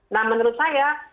nah menurut saya